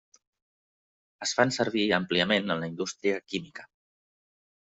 Es fan servir àmpliament en la indústria química.